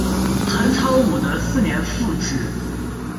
唐朝武德四年复置。